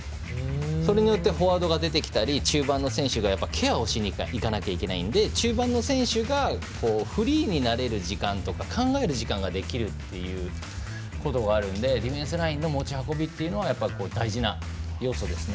それによってフォワードが出てきたり中盤の選手がケアをしにいかなきゃいけないんで中盤の選手がフリーになれる時間とか考える時間ができるということがあるのでディフェンスラインの持ち運びっていうのは大事な要素ですね。